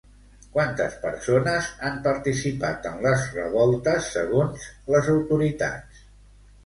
Quantes persones han participat en les revoltes segons les autoritats?